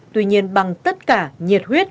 tuy nhiên bằng tất cả nhiệt huyết